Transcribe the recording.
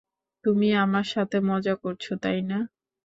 তুমি আমার সাথে মজা করছ, তাই না?